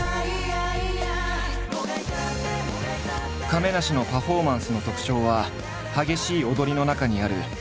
亀梨のパフォーマンスの特長は激しい踊りの中にある妖艶さとつやっぽさ。